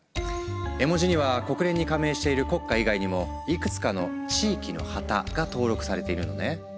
絵文字には国連に加盟している国家以外にもいくつかの地域の旗が登録されているのね。